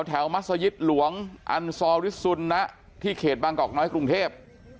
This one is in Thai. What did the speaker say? มัศยิตหลวงอันซอริสุนนะที่เขตบางกอกน้อยกรุงเทพ